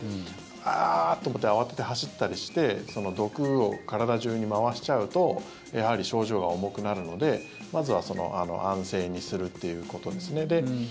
あーっ！と思って慌てて走ったりして毒を体中に回しちゃうとやはり症状が重くなるのでまずは安静にするということですね。